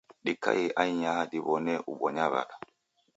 Dikaie ainyaha diw'one ubonya w'ada